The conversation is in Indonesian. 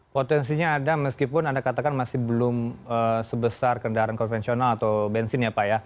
potensinya ada meskipun anda katakan masih belum sebesar kendaraan konvensional atau bensin ya pak ya